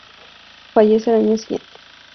Fallece al año siguiente.